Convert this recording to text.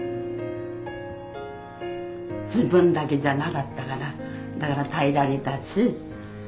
自分だけじゃなかったからだから耐えられたし。